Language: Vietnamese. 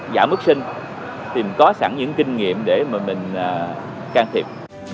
giảm mức sinh tìm có sẵn những kinh nghiệm để mà mình can thiệp